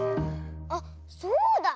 あっそうだ。